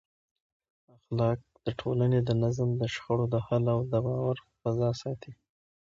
اخلاق د ټولنې د نظم، د شخړو د حل او د باور فضا ساتي.